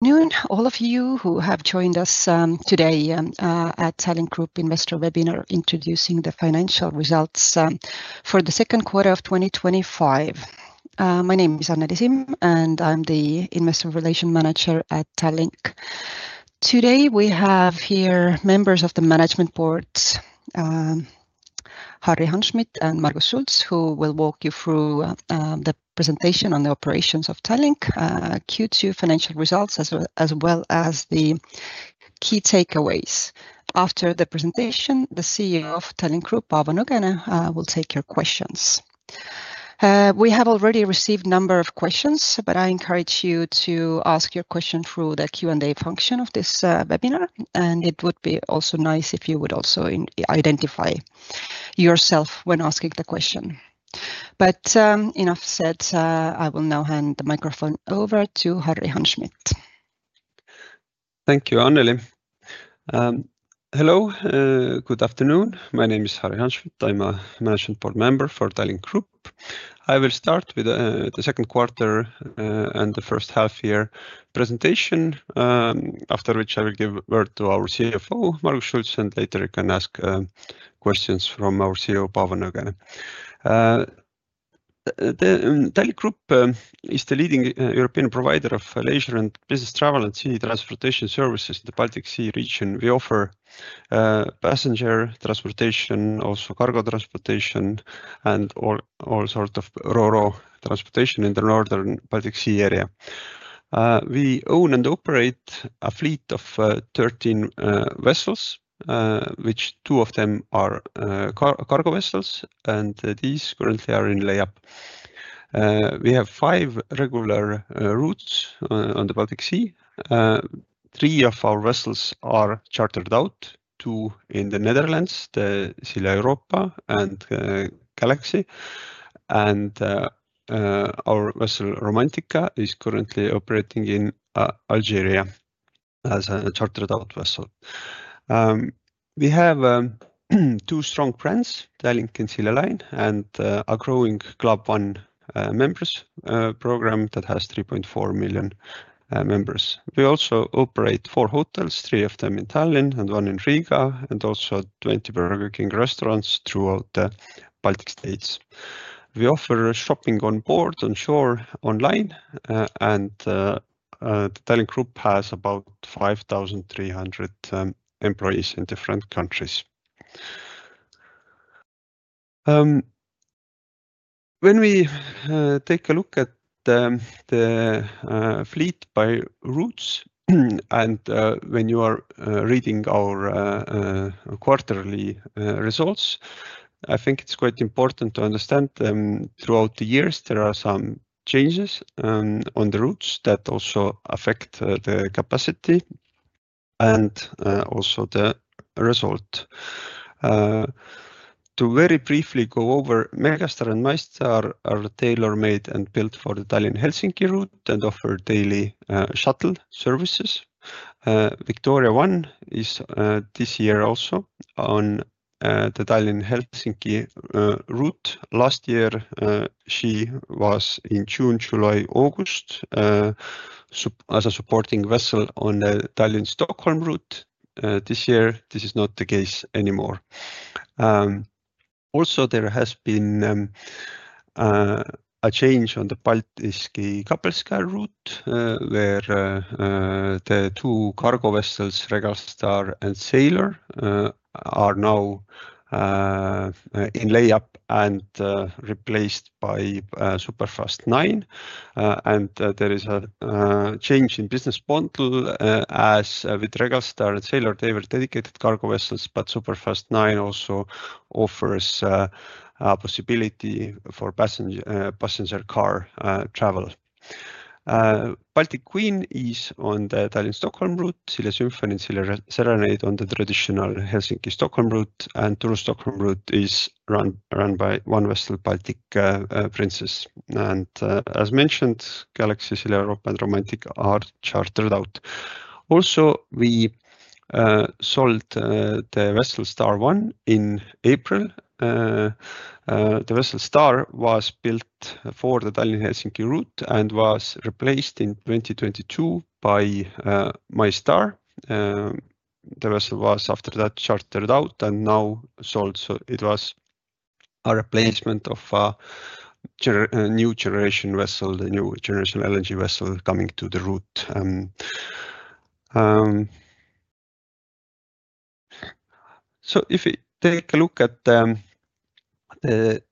Good noon, all of you who have joined us today at Tallink Grupp Investor Webinar introducing the Financial Results for the Second Quarter of 2025. My name is Anneli Simm, and I'm the Investor Relations Manager at Tallink Grupp. Today, we have here members of the Management Board, Harri Hanschmidt and Margus Schults, who will walk you through the presentation on the operations of Tallink Grupp, Q2 Financial Results, as well as the key takeaways. After the presentation, the CEO of Tallink Grupp, Paavo Nõgene, will take your questions. We have already received a number of questions, but I encourage you to ask your question through the Q&A function of this webinar. It would be also nice if you would also identify yourself when asking the question. Enough said, I will now hand the microphone over to Harri Hanschmidt. Thank you, Anneli. Hello, good afternoon. My name is Harri Hanschmidt. I'm a Management Board Member for Tallink Grupp. I will start with the second quarter and the first half-year presentation, after which I will give word to our CFO, Margus Schults, and later you can ask questions from our CEO, Paavo Nõgene. Tallink Grupp is the leading European provider of leisure and business travel and city transportation services in the Baltic Sea region. We offer passenger transportation, also cargo transportation, and all sorts of ro-ro cargo transportation in the northern Baltic Sea area. We own and operate a fleet of 13 vessels, of which two of them are cargo vessels, and these currently are in layup. We have five regular routes on the Baltic Sea. Three of our vessels are chartered out, two in the Netherlands, the Silja Europa and Galaxy, and our vessel Romantica is currently operating in Algeria as a chartered out vessel. We have two strong brands, Tallink and Silja Line, and a growing Club One members program that has 3.4 million members. We also operate four hotels, three of them in Tallinn and one in Riga, and also 20 Burger King restaurants throughout the Baltic states. We offer shopping on board, on shore, online, and Tallink Grupp has about 5,300 employees in different countries. When we take a look at the fleet by routes and when you are reading our quarterly results, I think it's quite important to understand throughout the years there are some changes on the routes that also affect the capacity and also the result. To very briefly go over, Megastar and MyStar are tailor-made and built for the Tallinn-Helsinki route and offer daily shuttle services. Victoria I is this year also on the Tallinn-Helsinki route. Last year, she was in June, July, August as a supporting vessel on the Tallinn-Stockholm route. This year, this is not the case anymore. Also, there has been a change on the Paldiski-Kapellskär route where the two cargo vessels, Regal Star and Sailor, are now in layup and replaced by Superfast IX. There is a change in business bundle as with Regal Star and Sailor, they were dedicated cargo vessels, but Superfast IX also offers a possibility for passenger car travel. Baltic Queen is on the Tallinn-Stockholm route. Silja Symphony and Silja Serenade on the traditional Helsinki-Stockholm route. The Turku-Stockholm route is run by one vessel, Baltic Princess. As mentioned, Galaxy, Silja Europa and Romantica are chartered out. Also, we sold the vessel Star I in April. The vessel Star was built for the Tallinn-Helsinki route and was replaced in 2022 by MyStar. The vessel was after that chartered out and now sold. It was a replacement of a new generation vessel, the new generation LNG vessel coming to the route. If we take a look at the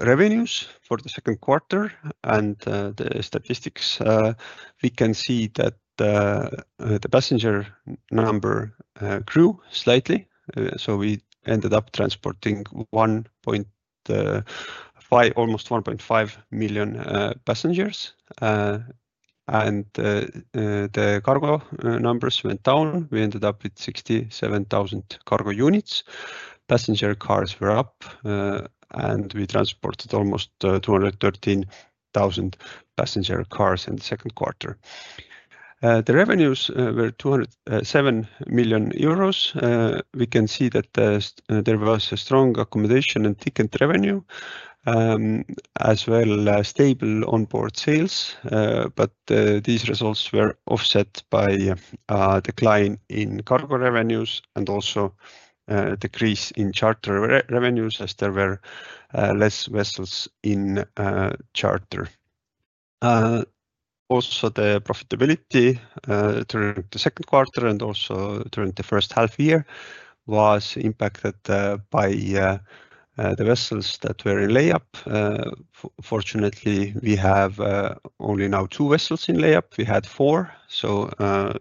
revenues for the second quarter and the statistics, we can see that the passenger number grew slightly. We ended up transporting almost 1.5 million passengers, and the cargo numbers went down. We ended up with 67,000 cargo units. Passenger cars were up, and we transported almost 213,000 passenger cars in the second quarter. The revenues were 207 million euros. We can see that there was strong accommodation and ticket revenue as well as stable onboard sales. These results were offset by a decline in cargo revenues and also a decrease in charter revenues as there were fewer vessels in charter. The profitability during the second quarter and also during the first half year was impacted by the vessels that were in layup. Fortunately, we have only now two vessels in layup. We had four. The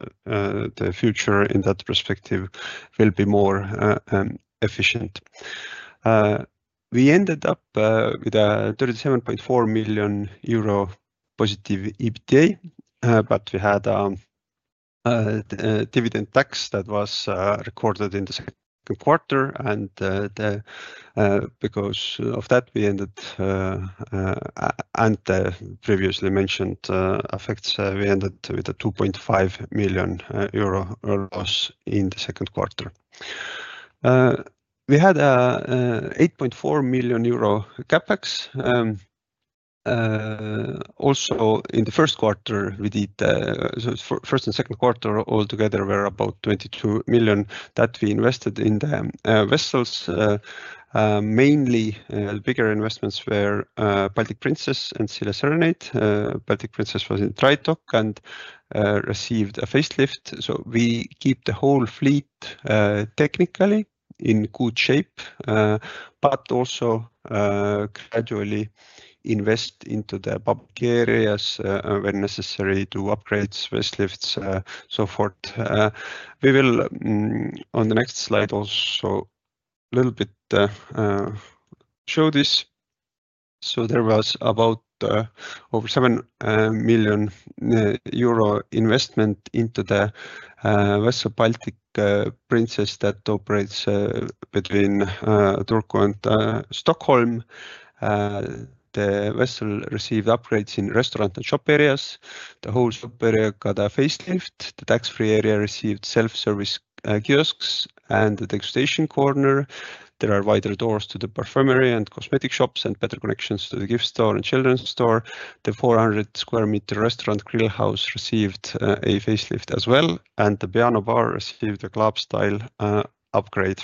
future in that perspective will be more efficient. We ended up with a 37.4 million euro positive EBITDA. We had a dividend tax that was recorded in the second quarter, and because of that and the previously mentioned effects, we ended up with a 2.5 million euro loss in the second quarter. We had an 8.4 million euro CapEx. In the first quarter, we did the first and second quarter altogether were about 22 million that we invested in the vessels. Mainly, the bigger investments were Baltic Princess and Silja Serenade. Baltic Princess was in trade dock and received a facelift. We keep the whole fleet technically in good shape, but also gradually invest into the public areas where necessary to upgrades, facelifts, so forth. We will, on the next slide, also a little bit show this. There was about over 7 million euro investment into the vessel Baltic Princess that operates between Turku and Stockholm. The vessel received upgrades in restaurant and shop areas. The whole shop area got a facelift. The tax-free area received self-service kiosks and the degustation corner. There are wider doors to the perfumery and cosmetic shops and better connections to the gift store and children's store. The 400 square meter restaurant Grill House received a facelift as well, and the piano bar received a club style upgrade.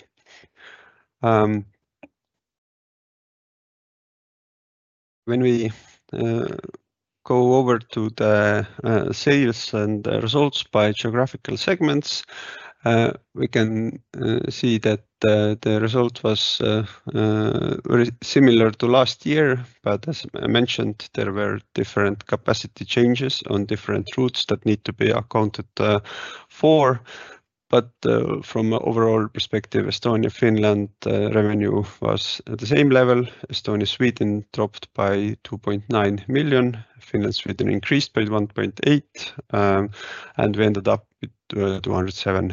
When we go over to the sales and results by geographical segments, we can see that the result was very similar to last year. As I mentioned, there were different capacity changes on different routes that need to be accounted for. From an overall perspective, Estonia-Finland revenue was at the same level. Estonia-Sweden dropped by 2.9 million. Finland-Sweden increased by 1.8 million. We ended up with 207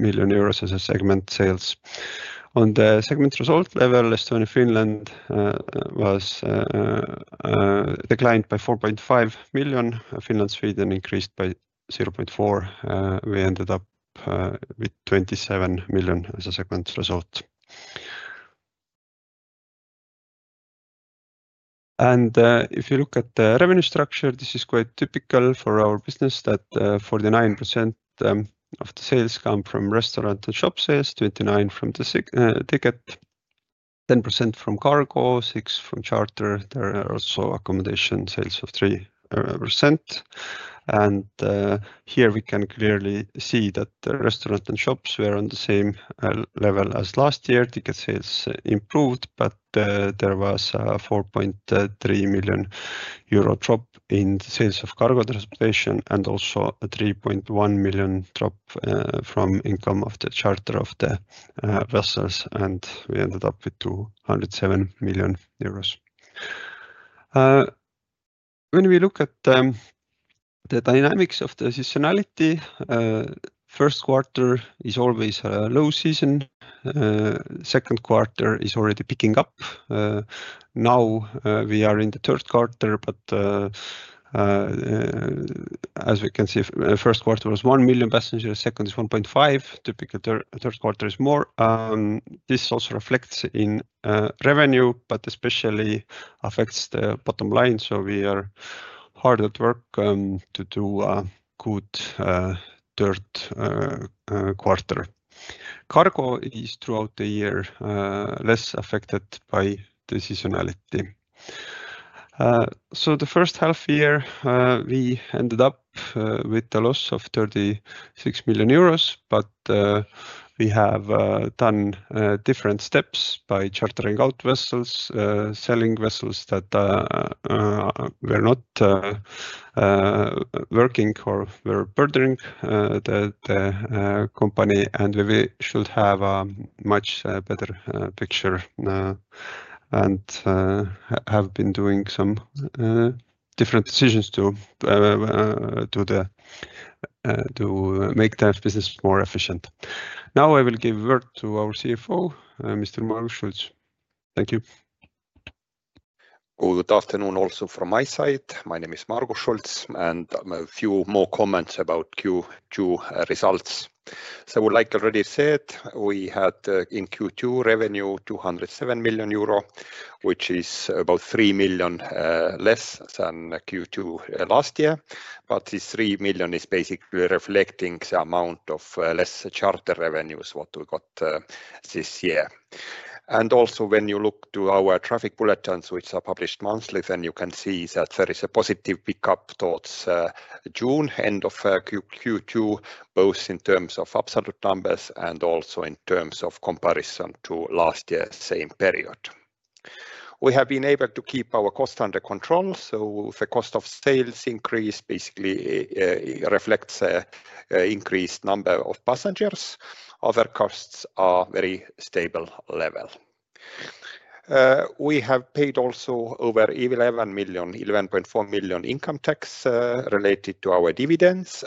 million euros as segment sales. On the segment result level, Estonia-Finland declined by 4.5 million. Finland-Sweden increased by 0.4 million. We ended up with 27 million as a segment result. If you look at the revenue structure, this is quite typical for our business: 49% of the sales come from restaurant and shop sales, 29% from the ticket, 10% from cargo, 6% from charter. There are also accommodation sales of 3%. Here we can clearly see that the restaurant and shops were on the same level as last year. Ticket sales improved, but there was a 4.3 million euro drop in the sales of cargo transportation and also a 3.1 million drop from income of the charter of the vessels. We ended up with 207 million euros. When we look at the dynamics of the seasonality, the first quarter is always a low season. The second quarter is already picking up. Now we are in the third quarter, but as we can see, the first quarter was 1 million passengers. The second is 1.5 million. Typically, the third quarter is more. This also reflects in revenue, but especially affects the bottom line. We are hard at work to do a good third quarter. Cargo is throughout the year less affected by the seasonality. The first half year, we ended up with the loss of 36 million euros, but we have done different steps by chartering out vessels, selling vessels that were not working or were burdening the company. We should have a much better picture and have been doing some different decisions to make that business more efficient. Now I will give word to our CFO, Mr. Margus Schults. Thank you. Good afternoon also from my side. My name is Margus Schults, and a few more comments about Q2 results. I would like already to say that we had in Q2 revenue of 207 million euro, which is about 3 million less than Q2 last year. This 3 million is basically reflecting the amount of less charter revenues we got this year. Also, when you look to our traffic bulletins, which are published monthly, you can see that there is a positive pickup towards June, end of Q2, both in terms of absolute numbers and also in terms of comparison to last year's same period. We have been able to keep our costs under control. The cost of sales increase basically reflects an increased number of passengers. Other costs are at a very stable level. We have paid also over 11 million, 11.4 million income tax related to our dividends.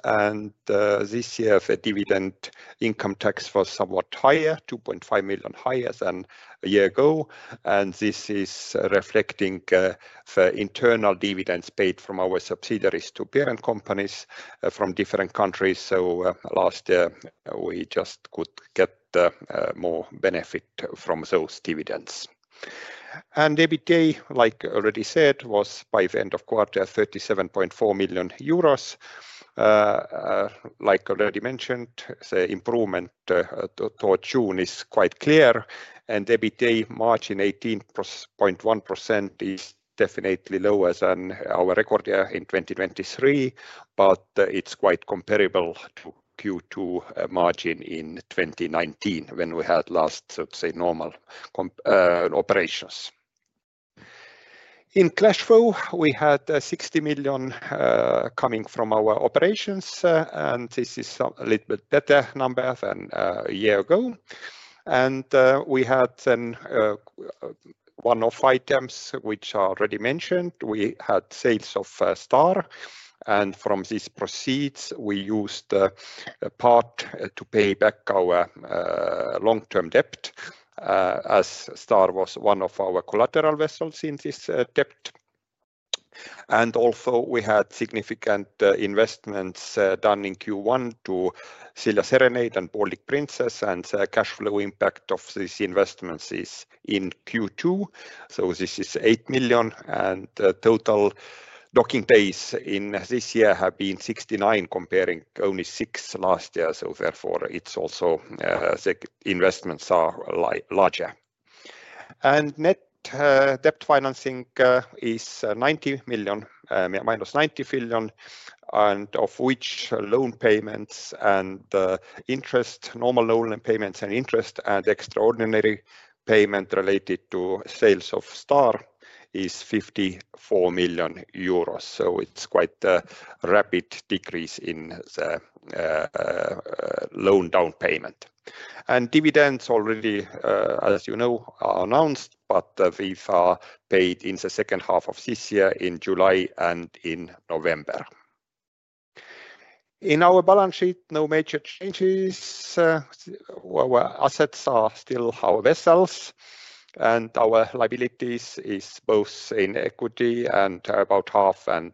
This year, the dividend income tax was somewhat higher, 2.5 million higher than a year ago. This is reflecting the internal dividends paid from our subsidiaries to parent companies from different countries. Last year, we just could get more benefit from those dividends. EBITDA, like I already said, was by the end of the quarter 37.4 million euros. Like I already mentioned, the improvement towards June is quite clear. EBITDA margin 18.1% is definitely lower than our record year in 2023, but it's quite comparable to Q2 margin in 2019 when we had last, let's say, normal operations. In cash flow, we had 60 million coming from our operations, and this is a little bit better number than a year ago. We had one-off items, which I already mentioned. We had sales of Star, and from these proceeds, we used the part to pay back our long-term debt, as Star was one of our collateral vessels in this debt. We had significant investments done in Q1 to Silja Serenade and Baltic Princess, and the cash flow impact of these investments is in Q2. This is 8 million, and total docking days in this year have been 69, comparing only 6 last year. Therefore, the investments are also larger. Net debt financing is 90 million, minus 90 million, of which loan payments and interest, normal loan payments and interest, and extraordinary payment related to sales of Star is 54 million euros. It's quite a rapid decrease in the loan down payment. Dividends already, as you know, are announced, but they are paid in the second half of this year, in July and in November. In our balance sheet, no major changes. Our assets are still our vessels, and our liabilities are both in equity and about half, and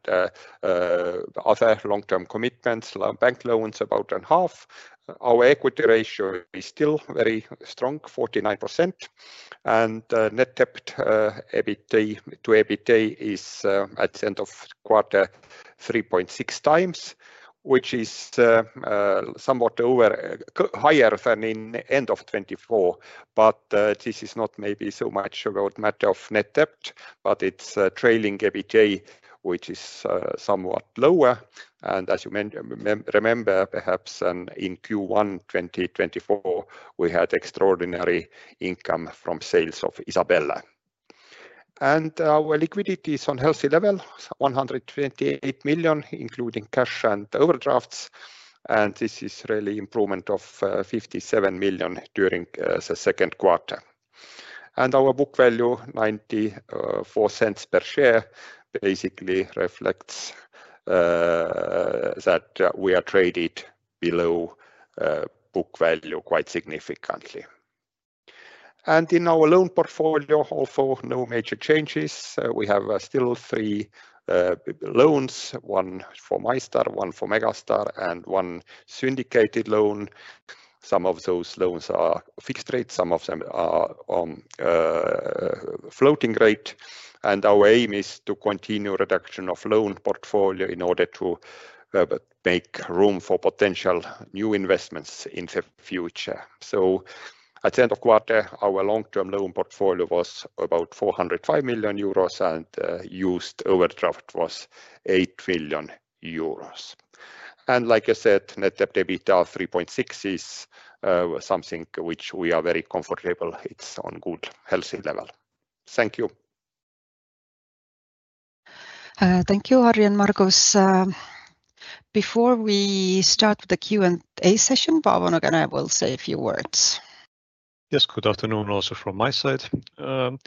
other long-term commitments, bank loans, about half. Our equity ratio is still very strong, 49%. Net debt to EBITDA is at the end of quarter 3.6 times, which is somewhat higher than in the end of 2024. This is not maybe so much about the matter of net debt, but it's trailing EBITDA, which is somewhat lower. As you remember, perhaps in Q1 2024, we had extraordinary income from sales of Isabella. Our liquidity is on a healthy level, $128 million, including cash and overdrafts. This is really an improvement of $57 million during the second quarter. Our book value, $0.94 per share, basically reflects that we are traded below book value quite significantly. In our loan portfolio, also no major changes. We have still three loans, one for MyStar, one for Megastar, and one syndicated loan. Some of those loans are fixed rates, some of them are on floating rate. Our aim is to continue the reduction of loan portfolio in order to make room for potential new investments in the future. At the end of the quarter, our long-term loan portfolio was about $405 million, and used overdraft was $8 million. Net debt to EBITDA 3.6 is something which we are very comfortable. It's on a good, healthy level. Thank you. Thank you, Harri and Margus. Before we start with the Q&A session, Paavo Nõgene, I will say a few words. Yes, good afternoon also from my side.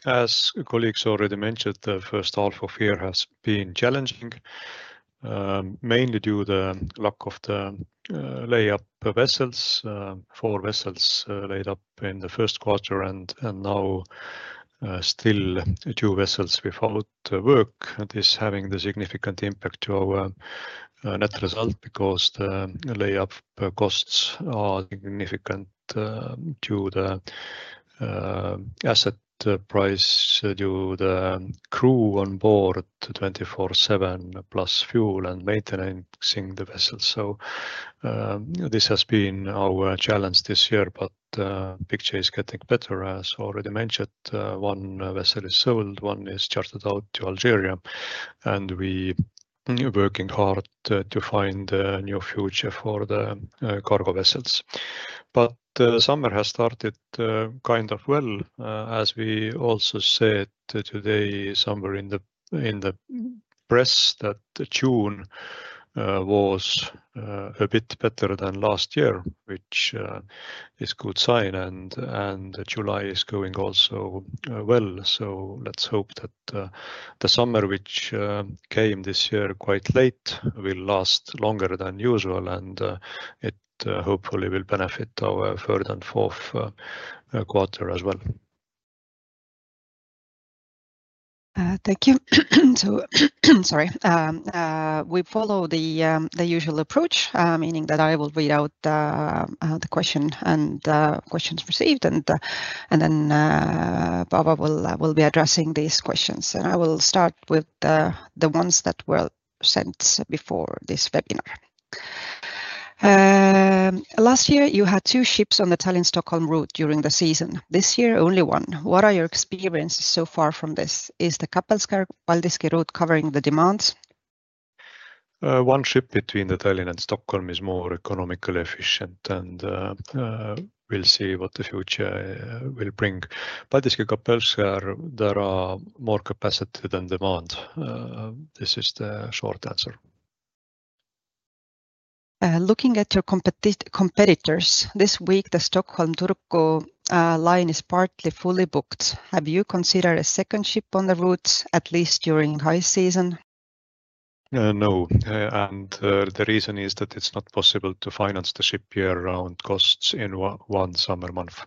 As colleagues already mentioned, the first half of the year has been challenging, mainly due to the lack of the layup vessels, four vessels laid up in the first quarter, and now still two vessels without work. This is having a significant impact to our net result because the layup costs are significant due to the asset price, due to the crew on board 24/7, plus fuel and maintaining the vessels. This has been our challenge this year, but the picture is getting better. As already mentioned, one vessel is sold, one is chartered out to Algeria, and we are working hard to find a new future for the cargo vessels. The summer has started kind of well. As we also said today, somewhere in the press, June was a bit better than last year, which is a good sign. July is going also well. Let's hope that the summer, which came this year quite late, will last longer than usual, and it hopefully will benefit our third and fourth quarter as well. Thank you. Sorry, we follow the usual approach, meaning that I will read out the question and questions received, and then Paavo will be addressing these questions. I will start with the ones that were sent before this webinar. Last year, you had two ships on the Tallinn-Stockholm route during the season. This year, only one. What are your experiences so far from this? Is the Kapellskär-Baltiski route covering the demands? One ship between Tallinn and Stockholm is more economically efficient, and we'll see what the future will bring. Baltic Sea-Kapellskär has more capacity than demand. This is the short answer. Looking at your competitors, this week, the Stockholm-Turku line is partly fully booked. Have you considered a second ship on the route, at least during high season? No, the reason is that it's not possible to finance the ship year-round costs in one summer month.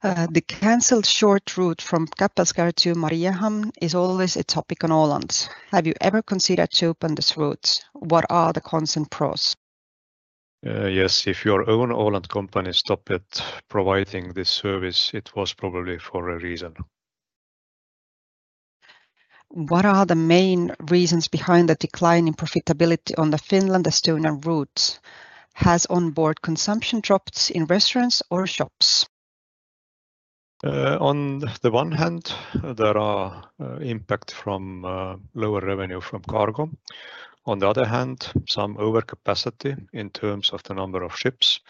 The canceled short route from Kapellskär to Mariehamn is always a topic on Åland. Have you ever considered to open this route? What are the cons and pros? Yes, if your own Åland company stopped providing this service, it was probably for a reason. What are the main reasons behind the decline in profitability on the Finland-Estonia route? Has onboard consumption dropped in restaurants or shops? On the one hand, there is an impact from lower revenue from cargo. On the other hand, some overcapacity in terms of the number of ships,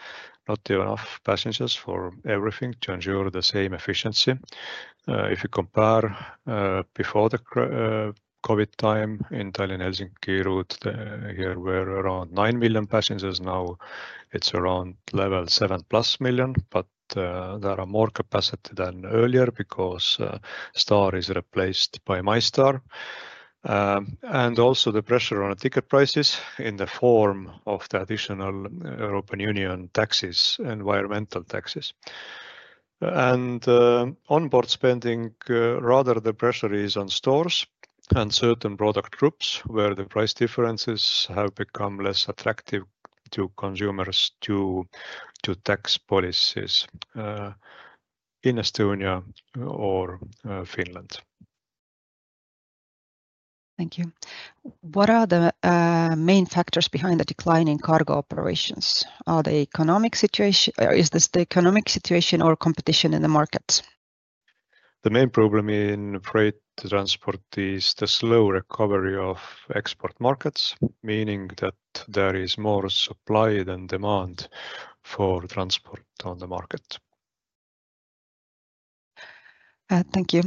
not enough passengers for everything to ensure the same efficiency. If you compare before the COVID time in the Tallinn-Helsinki route, there were around 9 million passengers. Now it's around level 7+ million, but there is more capacity than earlier because Star is replaced by MyStar. There is also the pressure on ticket prices in the form of the additional European Union taxes, environmental taxes. Onboard spending, rather the pressure is on stores and certain product groups where the price differences have become less attractive to consumers due to tax policies in Estonia or Finland. Thank you. What are the main factors behind the decline in cargo operations? Is this the economic situation or competition in the market? The main problem in freight transport is the slow recovery of export markets, meaning that there is more supply than demand for transport on the market. Thank you.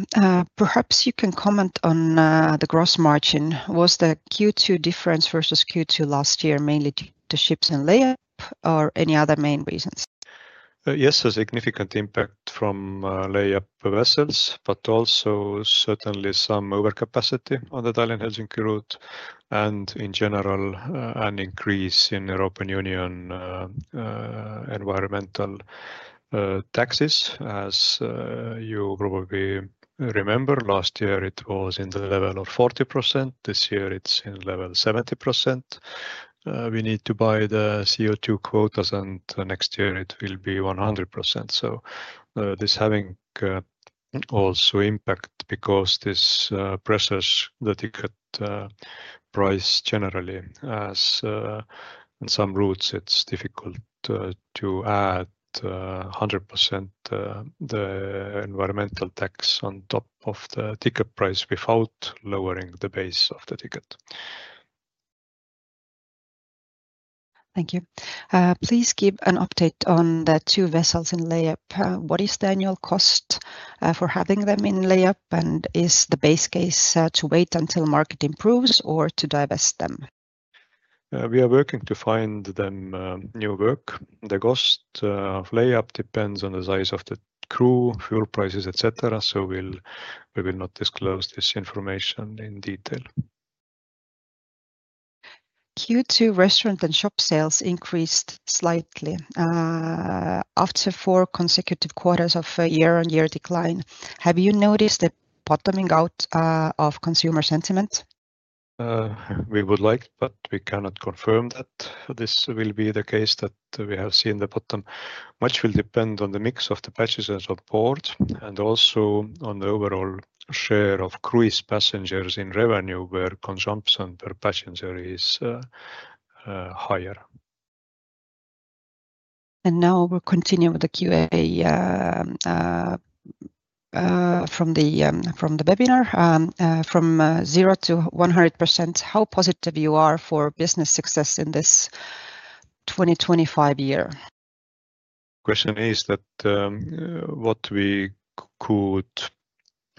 Perhaps you can comment on the gross margin. Was the Q2 difference versus Q2 last year mainly due to ships and layup, or any other main reasons? Yes, a significant impact from layup vessels, but also certainly some overcapacity on the Tallinn-Helsinki route and, in general, an increase in the European Union environmental taxes. As you probably remember, last year it was in the level of 40%. This year it's in the level of 70%. We need to buy the CO2 quotas, and next year it will be 100%. This is having also impact because this pressures the ticket price generally. In some routes, it's difficult to add 100% the environmental tax on top of the ticket price without lowering the base of the ticket. Thank you. Please give an update on the two vessels in layup. What is the annual cost for having them in layup? Is the base case to wait until market improves or to divest them? We are working to find them new work. The cost of layup depends on the size of the crew, fuel prices, etc. We will not disclose this information in detail. Q2 restaurant and shop sales increased slightly after four consecutive quarters of a year-on-year decline. Have you noticed a bottoming out of consumer sentiment? We would like, but we cannot confirm that this will be the case, that we have seen the bottom. Much will depend on the mix of the passengers on board and also on the overall share of cruise passengers in revenue, where consumption per passenger is higher. We will continue with the Q&A from the webinar. From 0 to 100%, how positive you are for business success in this 2025 year? The question is what we could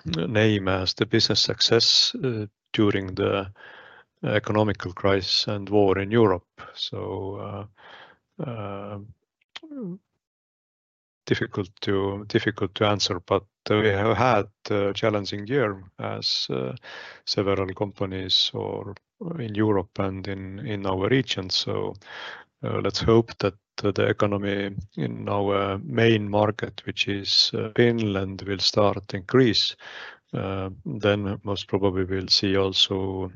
name as the business success during the economic crisis and war in Europe. Difficult to answer, but we have had a challenging year as several companies in Europe and in our region. Let's hope that the economy in our main market, which is Finland, will start to increase. Most probably we'll see also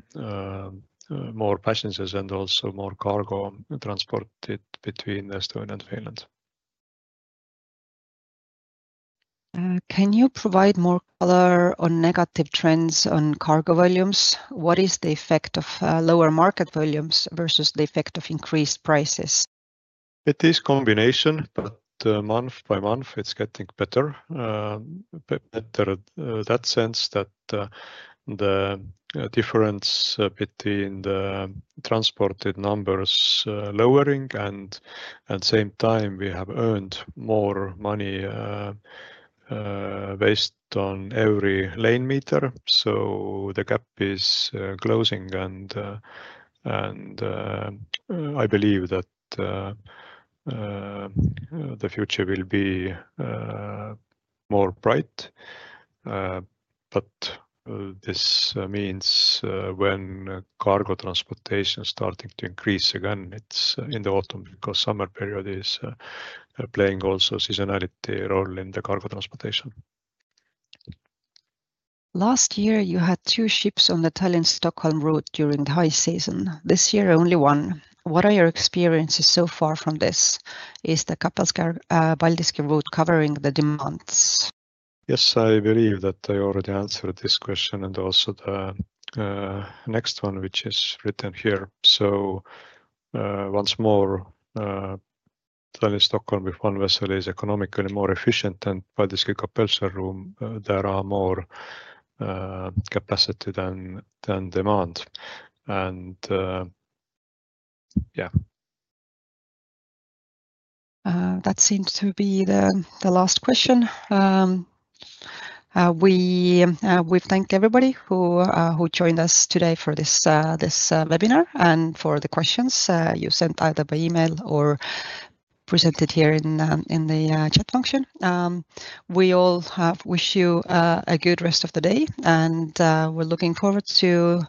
more passengers and also more cargo transported between Estonia and Finland. Can you provide more color on negative trends on cargo volumes? What is the effect of lower market volumes versus the effect of increased prices? It is a combination, but month by month it's getting better. Better in that sense that the difference between the transported numbers is lowering, and at the same time, we have earned more money based on every lane meter. The gap is closing, and I believe that the future will be more bright. This means when cargo transportation is starting to increase again, it's in the autumn because the summer period is playing also a seasonality role in the cargo transportation. Last year, you had two ships on the Tallinn-Stockholm route during the high season. This year, only one. What are your experiences so far from this? Is the Kapellskär-Baltiski route covering the demands? Yes, I believe that I already answered this question and also the next one, which is written here. Once more, Tallinn-Stockholm, if one vessel is economically more efficient than Baltic Princess-Kapellskär route, there is more capacity than demand. Yeah. That seems to be the last question. We thank everybody who joined us today for this webinar and for the questions you sent either by email or presented here in the chat function. We all wish you a good rest of the day, and we're looking forward to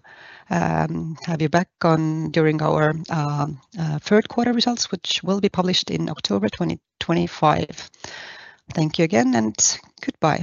have you back during our third quarter results, which will be published in October 2025. Thank you again, and goodbye.